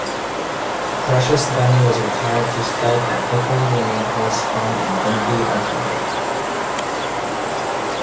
Precious Bunny was retired to stud at Hickory Lane Horse Farm in Findlay, Ohio.